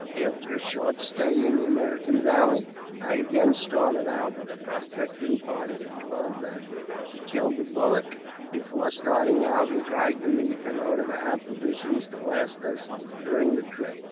After a short stay in the American Valley, I again started out with a prospecting party of twelve men. We killed a bullock before starting and dried the meat, in order to have provisions to last us during the trip.